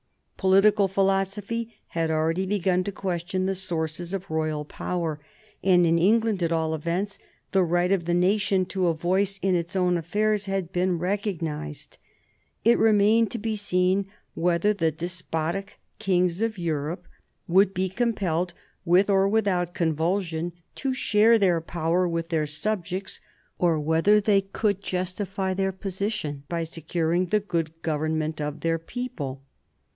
Political philosophy had already begun to question the sources of royal power, and in England at all events the right of the nation to a voice in its own affairs had been re cognised. It remained to be seen whether the despotic kings of Europe would be compelled, with or without convulsion, to share their power with their subjects, or whether they could justify their position by securing the good government of their people.